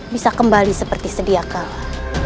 bisa kembali seperti sediakala